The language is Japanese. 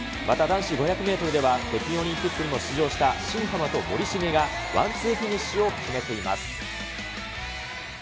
また男子５００メートルでは、北京オリンピックにも出場した新濱と森重がワンツーフィニッシュを決めています。